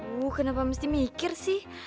wuh kenapa mesti mikir sih